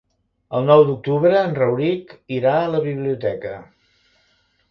El nou d'octubre en Rauric irà a la biblioteca.